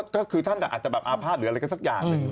ก็คือท่านอาจจะแบบอาภาษณหรืออะไรก็สักอย่างหนึ่ง